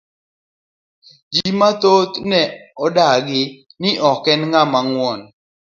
Ji mathoth ne odagi ni ok en ng'ama nguon.